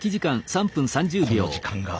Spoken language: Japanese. この時間が。